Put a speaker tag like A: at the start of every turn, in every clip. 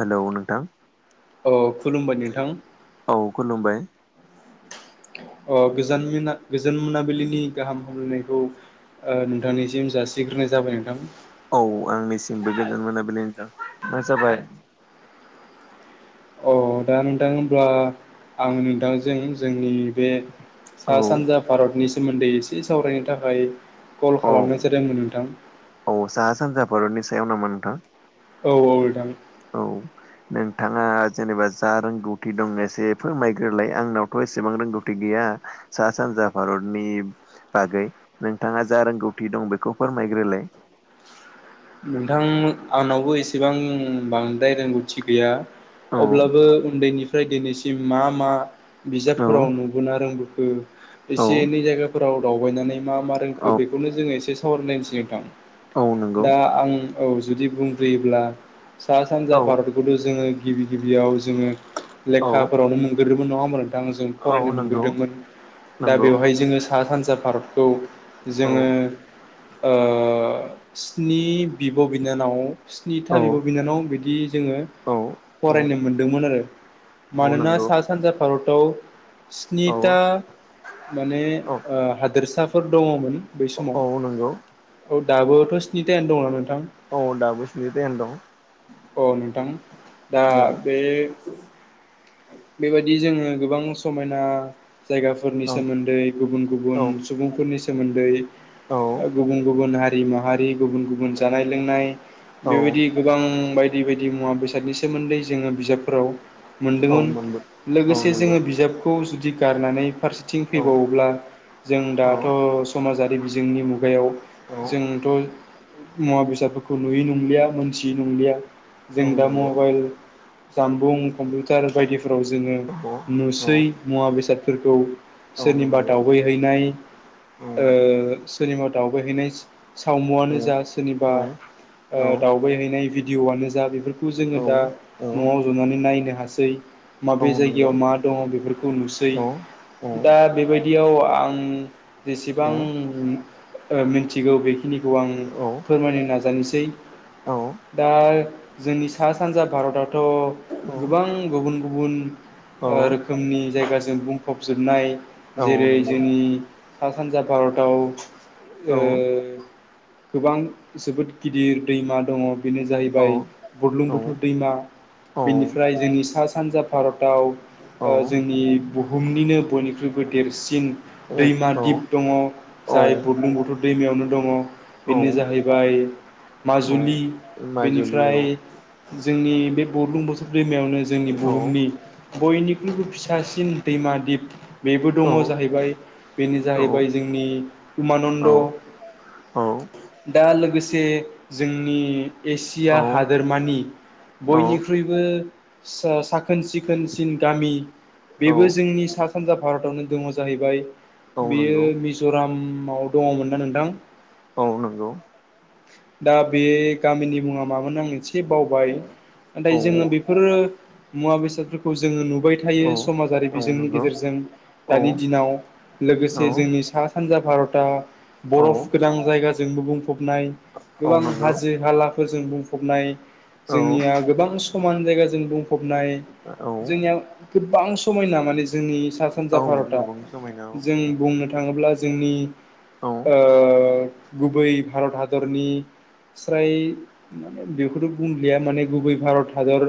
A: Hello नोंथां
B: अ खुलुमबाय नोंथां
A: औ खुलुम्बाइ।
B: अ गोजान मिना गोजान मोनाबिलिनि गाहाम हामलायनायखौ ओ नोंथांनिसिम जासि ग्रोनाय जाबाय नोंथां‌।
A: औ आंनिसिमबो गोजोन मोनाबिलि नोंथां [inaudible] जाबाय।
B: अ दा नोंथां होमब्ला आं नोंथांजों जोंनि बे
A: औ
B: सा सानजा भारतनि सोमोन्दै एसे सावरायनो थाखाय कल
A: औ
B: खालामनाय जादोंमोन नोंथां।
A: औ साहा सानजा भारतनि सायाव नामा नोंथां?
B: औ औ नोंथां।
A: औ। नोंथाङा जेनेबा जा रोंगौथि दं एसे फोरमामग्रोलाय आंनावथ' एसेबां रोंगौथि गै या सा सानजा भारतनि बागै नोंथाङा जा रोंगौथि दं बेखौ फोरमाय दे रायलाय।
B: नोंथां आंनावबो एसेबां बांद्राय रोंगौथि गैया।
A: औ
B: अब्लाबो उन्दैनिफ्राय दिनैसिम मा मा
A: औ
B: बिजाबफोराव नुबोना रोंबो खो
A: औ
B: एसे एनै जायगाफोराव दावबायनानै मा मा
A: औ
B: रोंखो बेखौनो जोङो एसे सावरायलायसै नोंथां।
A: औ नंगौ
B: दा आं औ जुदि बुंग्रोयोब्ला सा सानजा
A: औ
B: भारतखौथ' जोङो गिबि गिबियाव जोङो
A: औ
B: लेखाफोरावनो मोनगोरोबो नङा होमबा नों आं जों
A: औ
B: फरायनो
A: नंगौ
B: मोनग्रोदोंमोन दा
A: नंगौ
B: बेवहाय जोङो सा सानजा भारतखौ
A: औ
B: जोङो ओ स्नि बिब' बिनानाव स्निथा
A: औ
B: बिब' बिनानाव बिदि जोङो
A: औ औ
B: फरायनो मोनदोंमोन आरो
A: औ
B: मानोना
A: नंगौ
B: सा सानजा भारताव
A: औ
B: स्निथा माने
A: औ
B: ओ हादोरसाफोर दङमोन बै समाव
A: औ नंगौ
B: औ दाबोथ' स्नि थायानो दङना नोंथां?
A: औ दाबो स्नि थायानो दं।
B: औ नोंथां दा
A: औ
B: बे बेबायदि जोङो गोबां समायना जायगाफोरनि
A: औ
B: सोमोन्दै गुबुन
A: औ
B: गुबुन सुबुंफोरनि सोमोन्दै
A: औ
B: ओ गुबुन गुबुन हारि माहारि गुबुन गुबुन जानाय लोंनाय
A: औ
B: बेबायदि गोबां बायदि बायदि मुवा बेसादनि सोमोन्दै जोङो बिजाबफोराव
A: औ
B: मोनदोंमोन।
A: मोनबो औ
B: लोगोसे
A: नंगौ
B: जोङो बिजाबखौ जुदि गारनानै फारसेथिं
A: औ
B: फैबावोब्ला जों
A: औ
B: दाथ' समाजारि बिजोंनि मुगायाव
A: औ
B: जोंथ' मुवा बेसादफोरखौ नुयै नंलिया मोनथियै नंलिया
A: औ
B: जों दा
A: नंगौ
B: मबाइल जामबुं कम्पिउटार बायदिफोराव जोङो
A: औ औ
B: नुसै मुवा बेसादफोरखौ।
A: औ
B: सोरनिबा
A: नंगौ
B: दावबायहैनाय
A: औ
B: ओ सोरनिबा दावबायहैनाय सावमुआनो जा सोरनिबा
A: औ
B: ओ दावबाय हैैनाय भिडिअ'आनो जा बेफोरखौ
A: औ नंगौ औ
B: जोङो दा न'आव जनानै नायनो हासै।
A: औ
B: माबे
A: नंगौ
B: जायगायाव मा दङ बेफोरखौ नुसै।
A: औ औ औ
B: दा बेबायदियाव आं जेसेबां ओ मिनथिगौ बेखिनिखौ आं फोरमायनो नाजानोसै।
A: औ
B: दा जोंनि सा सानजा भारतावथ' गोबां गुबुन गुबुन रोखोमनि जायगाजों बुंफबजोबनाय। जेरै जोंनि सा सानजा भारताव। गोबां जोबोद गिदिर दैमा दङ बेनो जाहैबाय
A: औ
B: बुरलुं बुथोर दैमा। बेनिफ्राय जोंनि सा सानजा भारताव। जोंनि बुहुमनिनो बयनिख्रुइबो देरसिन दैमा दिप दङ। जाय बुरलुं बुथुर दैमायावनो दङ।
A: औ
B: बेनो
A: औ
B: जाहैबाय
A: औ
B: माजुलि
A: माजुलि
B: बेनिफ्राय
A: औ
B: जोंनि बे बौलुं बोसोर दैमायावनो जोंनि
A: औ
B: बुहुमनि बयनिख्रुइबो फिसासिन दैमा दिप। बेबो दङ जाहैबाय बेनो जाहैबाय जोंनि उमानन्द।
A: औ
B: दा लोगोसे जोंनि एसिया हादोरमानि।
A: औ
B: बयनिख्रुइबो साखोन सिखोनसिन गामि। बेबो
A: औ
B: जोंनि सा सानजा भारतावनो दङ जाहैबाय
A: औ
B: बेयो
A: नंगौ
B: मिज'रामाव दङमोन दा नोंथां
A: औ नंगौ
B: दा बे गामिनि मुङा मामोन आं एसे बावबाय
A: औ
B: नाथाय जोङो बेफोरो मुवा बेसादफोरखौ जोङो नुबाय
A: औ
B: थायो समाजारि
A: औ
B: बिजोंनि
A: नंगौ
B: गेजेरजों
A: औ
B: दानि दिनाव
A: औ
B: लोगोसे जोंनि सा सानजा भारतआ बरफ
A: औ
B: गोनां जायगाजोंबो बुंफबनाय
A: औ
B: गोबां
A: नंगौ
B: हाजो हाला फोरजों बुंफबनाय
A: औ
B: जोंनिया गोबां समान जायगाजों बुंफबनाय
A: औ
B: जोंनिया गोबां समायना माने जोंनि सा सानजा
A: औ
B: भारत
A: गोबां समायना
B: जों बुंनो थाङोब्ला जोंनि
A: औ
B: गुबै भारत हादरनि स्राय माने बेखौथ' बुंलिया माने गुबै भारत हादर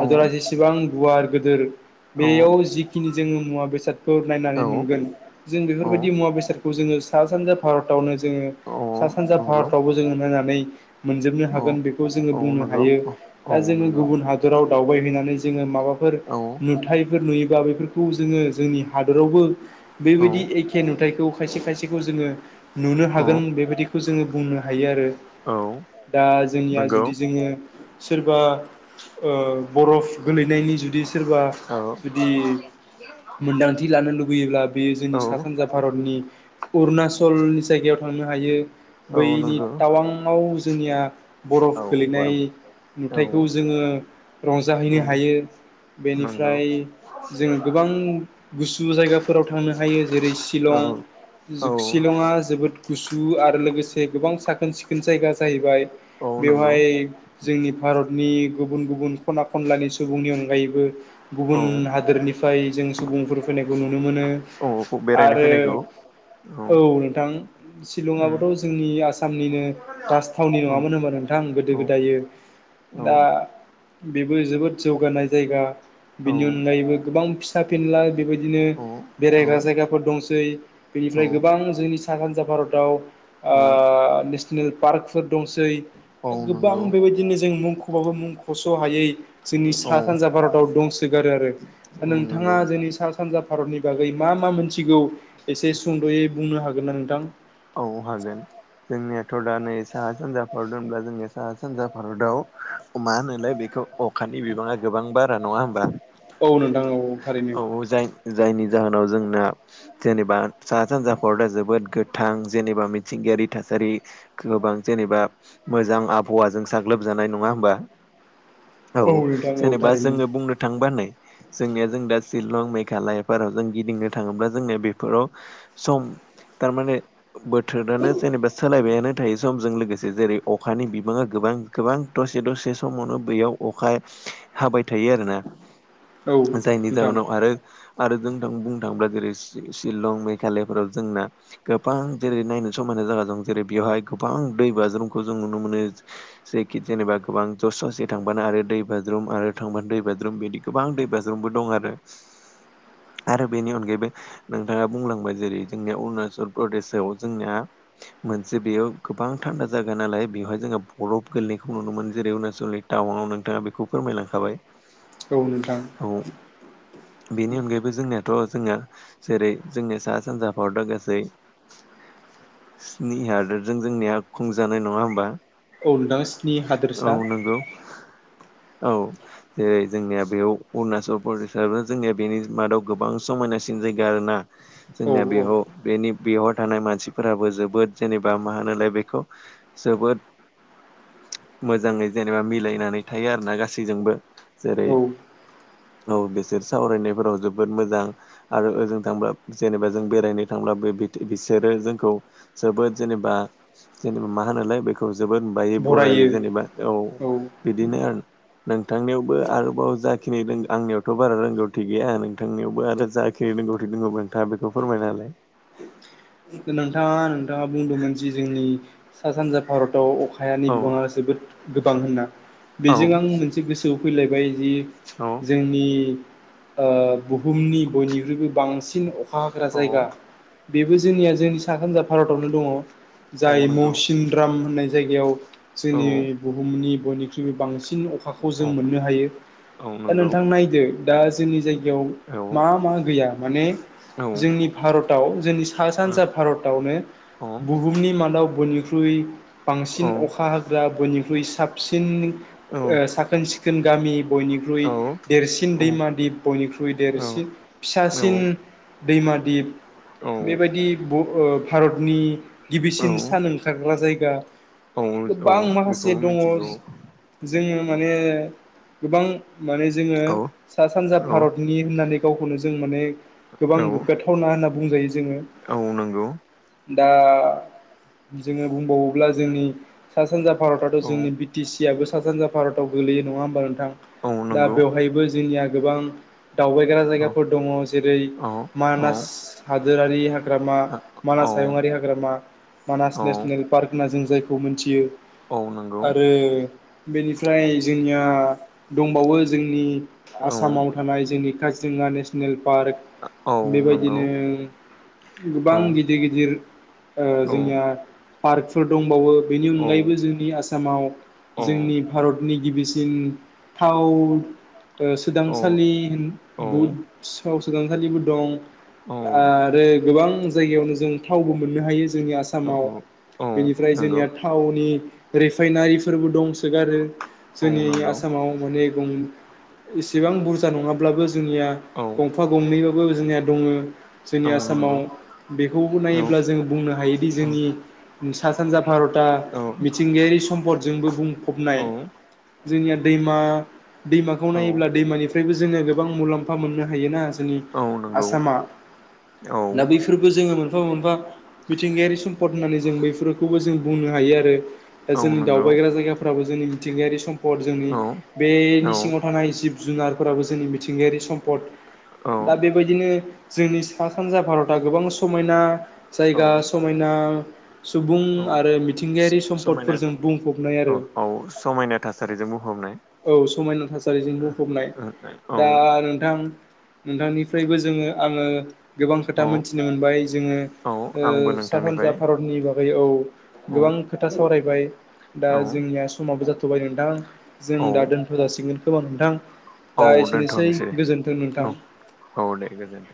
A: औ
B: जेसेबां गुवार गिदोर
A: औ
B: बेयाव जिखिनि जोङो मुवा बेसादखौ नायनानै मोनगोन जों
A: औ
B: बेफोरबायदि मुवा बेसादखौ जोङो सा सानजा भारतावनो जोङो
A: औ
B: सा सानजा
A: नंगौ
B: भारत फावबो जोङो नायनानै मोनजोबनो
A: औ
B: हागोन बेखौ जोङो
A: औ नंगौ औ
B: बुंनो
A: नंगौ
B: हायो दा जोङो गुबुन हादराव दावबायहैनानै जोङो माबाफोर
A: औ
B: नुथायफोर नुयोबा बेफोरखौ जोङो जोंनि हादरावबो बेबायदि एखे नुथायखौ खायसे खायसेखौ जोङो नुनो हागोन बेबायदिखौ जोङो बुंनो होन हायो आरो
A: औ
B: दा जोंनिया
A: नंगौ
B: जुदि जोङो सोरबा बरफ गोलैनायनि जुदि सोरबा
A: औ
B: जुदि मोन्दांथि लानो लुबैयोब्ला बेयो जोंनि
A: औ
B: सा सानजा भारतनि अरुणाचलनि जायगायाव थांनो हायो हायो
A: औ
B: बैनि
A: नंगौ
B: टावांआव जोंनिया बरफ
A: औ
B: गोलैनाय
A: बरोब
B: नुथायखौ
A: औ
B: जोङो रंजाहैनो
A: औ
B: हायो
A: नंगौ
B: बेनिफ्राय जों गोबां गुसु जायगाफोराव थांनो हायो जेरै
A: औ
B: शिलं
A: औ
B: सिशिलंआ जोबोद गुसु आरो लोगोसे गोबां साखोन सिखोन जायगा जाहैबाय
A: औ नंगौ
B: बेवहाय जोंनि भारतनि गुबुन गुबुन खना खनलानि सुबुंनि अनगायैबो
A: औ
B: गुबुन हादोरनिफ्राय जों सुबुंफोर फैनायखौ नुनो मोनो
A: बेरायनो
B: आरो
A: फैनायखौ
B: औ नोंथां
A: उम
B: शलंआोथ' जोंनि आसाम आसामनिनो राजथावनि
A: औ
B: नङामोन होनबा नोंथां आ गोदो
A: औ
B: गोदायो
A: औ
B: दा बेबो जोबोद जौगानाय जायगा बेनि अनगायैबो गोबां फिसा फिनला बेबायदिनो
A: औ
B: बेरायग्रा जायगाफोर दंसै बेनिफ्राय
A: औ
B: गोबां जोंनि साहा सानजा भारताव
A: औ
B: नेसनेल पार्कफोर दंसै
A: औ
B: गोबां
A: नंगौ
B: बेबायदिनो जों मुंख'बाबो मुं खस' हायै जोंनि
A: औ
B: सा सानजा भारताव दंसोगोन
A: औ
B: नोंथाङा
A: नंगौ
B: जोंनि सा सानजा भारतनि बागै मा मा मोनथिगौ एसे सुंद' दे बुंनो हागोनना नोंथां
A: औ हागोन ज जोंनियाथ' दा नै साहा सानजा भारत होनब्ला जोंनि साहा सानजा भारतआव मा होनोलाय बेखौ अखानि बिबाङा गोबां बारा नङा होमबा
B: औ नोंथां औ थारैनो
A: औ जाय जायनि जाहोनाव जोंना जेनेबा साहा सानजा भारदा जोबोद गोथां जेनेबा मिथिंगायारि थासारि ख्लोब बां जेनेबा मोजां आबहावाजों साग्लोबजानाय नङा होमबा औ
B: नोंथां औ
A: जेनेबा
B: थारैनो
A: जोङो बुंनो थांबा नै जोंनिया जों दा शिलं मेघालयाफोराव जों गिदिंनो थाङोब्ला जोंनो बेफोराव सम थारमाने बोथोरानो जेनेबा सोलायबाया- नो थायो समजों लोगोसे जेरै अखानि बिबाङा गोबां गोबां दसे दसे समावनो बैयाव अखा हाबाय थायो आरोना
B: औ
A: जायनि
B: नोंथां
A: जाहोनाव आरो आरो जों बुंनो थाङोब्ला जेरै- सि-सिलं मेघालयाफोराव जोंना गोबां जेरै नायनो समायना जागा दं जेरै बेवहाय गोबां दै बाज्रुमखौ जों नुनो मोनो जेखि जेनेबा गोबां ससे ससे थांबानो आरो दै बाज्रुम आरो थांबानो दैबाज्रुम बिदि गोबां दै बाज्रुमबो दं आरो आरो बेनि अनगायैबो नोंथाङा बुंलांबाय जेरै जोंनिया अरुणाचल प्रदेशआव जोंनिया मोनसे बेयाव गोबां थान्दा जागा नालाय बेवहाय जोङो बरफ गोलैनायखौ नुनो मोनो जेरै अरुणाचलनि टाउनाव नोंथाङा बेखौ फोरमायलांखाबाय
B: औ नोंथां
A: औ बेनि अनगायैबो जोंनियाथ जोङो जेरै -जोंनिया सा सानजा भारदा गासै स्नि हादोरजों जोंनिया खुंजानाय नङा होमबा?
B: औ नोंथां स्नि
A: औ
B: हादोरसा
A: नोंगौ औ जेरै -जोंनिया बेयाव अरुणाचल प्रडेसाबो जोंनिया बेनि मादाव गोबां समायनासिन जायगा आरोना
B: औ
A: जोंनिया
B: औ
A: बेयाव बेनि बेवहाय थानाय मानसिफोराबो जोबोद जेनेबा मा होनोलाय बेखौ जोबोद मोजाङै जेनेबा मिलायनानै थायो आरो ना गासैजोंबो
B: औ
A: जेरै- औ बिसोर सावरायनायफोराव जोबोद मोजां आरो ओजों थांब्ला जेनेबा जों बेरायनो थांब्ला बे बिदि बिसोरो जोंखौ जोबोद जेनेबा जेनेबा मा होनोलाय बेखौ जोबोद बायो बरायो जेनेबा औ बि- दिनो आरो नोंथांनियावबो आरोबाव जाखिनि रोंगो- आंनियावथ बारा रोंगौथि गैया नोंथांनियावबो आरो जाखिनि रोंगौथि दोङोबा नोंथाङा बेखौ फोरमायना होलाय।
B: नोंथाङा नोंथाङा बुंदोंमोन जि जोंनि सा सानजा भारताव अख- खायानि
A: औ
B: बिबाङा जोबोद गोबां होनना बेजों
A: औ
B: आं मोनसे गोसोआव फैलायबाय जि
A: औ
B: जोंनि ओ बुहुमनि बयनिख्रुइबो बांसिन अ- खा हाग्रा जायगा
A: औ
B: बेबो जोंनिया जोंनि सा सानजा भारतावनो दङ
A: औ
B: जाय
A: नंगौ
B: मौसिनद्राम होननाय जायगायाव जोंनि
A: औ
B: बुहुमनि बयनिख्रुइबो बांसि- न अखाखौ जों
A: औ
B: मोननो हायो
A: औ
B: दा
A: नंगौ
B: नोंथां नायदो दा जोंनि जाय- गायाव
A: औ
B: मा मा गैया माने
A: औ
B: जोंनि भारताव जोंनि सा- सानजा भारतावनो
A: औ
B: बुहुमनि मादाव बयनिख्रुइ बांसिन अखा हाग्रा बयनिख्रुइ साबसिन ओ साखोन सिखोन गामि बयनिख्रुइ
A: औ
B: देरसिन
A: औ
B: दैमा दिप बयनिख्रुइ
A: औ
B: देरसिन
A: औ
B: फिसासिन दैमा दिप
A: औ
B: बेबायदि ब ओ भारतनि
A: औ
B: गिबिसिन सान ओंखारग्रा जायगा
A: औ औ
B: गोबां माखासे
A: बेखौबो
B: दङ
A: मिथिगौ
B: जोङो माने गोबां माने जोङो
A: औ
B: सा सानजा
A: औ
B: भारतनि होननानै गावखौनो जों माने गोबां
A: औ
B: गोग्गाथावना होनना बुंजायो जोङो
A: औ नंगौ
B: दा जोङो बुंबावोब्ला जोंनि सा सानजा भारताथ
A: औ
B: जोंनि बिटि सि आबो सा सानजा भरताव गोलैयो नङा होमबा नो- थां
A: औ
B: दा
A: नंगौ
B: बेवहायबो जोंनिया गोबां दावबायग्रा
A: औ
B: जायगाफोर दङ जेरै
A: औ
B: मानास
A: औ
B: हादोरारि हा- ग्रामा
A: औ
B: मानास हायुंआरि हाग्रामा मानास
A: औ
B: नेसनेल पार्क होनना जों जायखौ मोनथियो
A: औ नंगौ
B: आरो बेनिफ्राय जोंनिया दंबावो जोंनि
A: औ
B: आसामाव थानाय जोंनि काजिरङा नेसनेल पार्क
A: औ नंगौ
B: बेबायदिनो
A: औ
B: गोबां गिदिर गिदिर ओ
A: औ
B: जोंनिया पार्कफोर दंबावो बेनि
A: औ
B: अनगायैबो जोंनि आसामाव
A: औ
B: जोंनि भारतनि गिबिसिन थाव ओ
A: औ औ
B: सोदांसालि
A: औ
B: बुद सस सोदांसालिबो दं।
A: औ
B: आरो गोबां जायगायावनो जों थावबो मोननो हायो जोंनि आसामाव बेनिफ्राय
A: नंगौ
B: जोंनिया थावनि रिफाइनारिफोरबो दंसोगारो
A: औ
B: जोंनि आसामाव अनेक दं इसेबां बुरजा नङाब्लाबो जोंनिया
A: नंगौ औ
B: गंफा गंनैबाबो जोंनिया दङ जोंनि
A: औ नंगौ
B: आसामाव बेखौबो नायोब्ला
A: औ औ
B: जों बुंनो हायोदि
A: औ
B: जोंनि सा सानजा भारतआ
A: औ
B: मिथिंगायारि सम्पदजोंबो बुंफबनाय
A: औ
B: जोंनिया दैमा दैमाखौ नायोब्ला दैमानिफ्रायबो जोङो गोबां मुलाम्फा मोननो हायोना जोंनि
A: औ
B: आसामा
A: नंगौ
B: दा
A: औ
B: बैफोरबो जोङो मोनफा मोनफा मिथिंगायारि सम्पद होननानै जों बैफोरखौबो जों बुंनो हायो आरो दा
A: औ
B: जोंनि
A: नंगौ
B: दावबायग्रा जायगाफ्राबो जोंनि मिथिंगायारि सम्फद जोंनि
A: औ
B: बेनि
A: औ
B: सिङाव थानाय जिब जुनारफोराबो जोंनि मिथिंगायारि सम्पद
A: औ
B: दा बेबायदिनो जोंनि सा सानजा भारतआ गोबां समायना
A: औ
B: जायगा समायना सुबुं
A: औ
B: आरो मिथिंगायारि
A: समायना
B: सम्पदफोरजों बुंफबनाय आरो
A: औ औ समायना थासारिजों बुंफबनाय
B: औ समायना' थासारिजों बुंफबनाय
A: औ
B: दा नोंथां नोंथांनिफ्रायबो जोङो आङो गोबां खोथा
A: औ
B: मोनथिनो मोनबाय जोङो
A: औ
B: ओ
A: आंबो
B: सा सानजा
A: नोंथांनिफ्राय
B: भारतनि बागै औ
A: औ
B: गोबां खोथा सावराय बाय दा
A: औ
B: जोंनिया समाबो जाथ'बाय नोंथां जों
A: औ
B: दा दोनथ' जासिगोन खोमा नोंथां
A: औ
B: दा एसेनोसै
A: दोनथ'नोसै
B: गोजोनथों नोंथां
A: औ औ दे गोजोनथों